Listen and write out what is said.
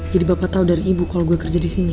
jadi bapak tau dari ibu kalau gue kerja disini